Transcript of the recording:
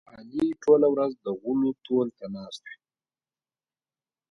علي ټوله ورځ د غولو تول ته ناست وي.